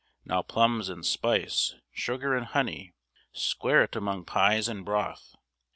Now plums and spice, sugar and honey, square it among pies and broth.